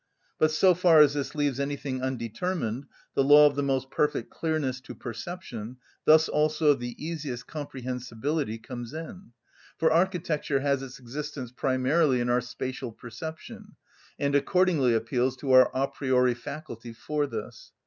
But so far as this leaves anything undetermined, the law of the most perfect clearness to perception, thus also of the easiest comprehensibility, comes in; for architecture has its existence primarily in our spatial perception, and accordingly appeals to our a priori faculty for this.